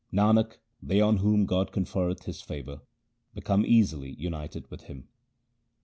Nanak, they on whom God conferreth His favour become easily united with Him.